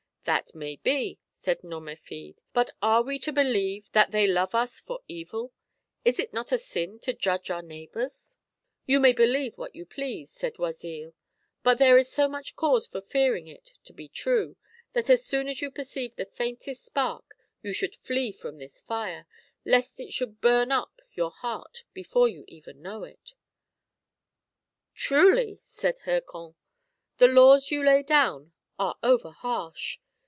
"That may be," said Nomerfide; "but are we to believe that they love us for evil ? Is it not a sin to judge our neighbours ?" 154 THE HEPrAMERON. " You may believe what you please," said Oisille ;" but there is so much cause for fearing it to be true, that as soon as you perceive the faintest spark, you should flee from this fire, lest it should burn up your heart before you even know it." "Truly," said Hircan, " the laws you lay down are over harsh.